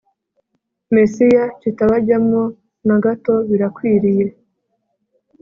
Mesiya kitabajyamo na gato Birakwiriye